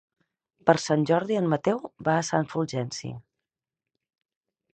Per Sant Jordi en Mateu va a Sant Fulgenci.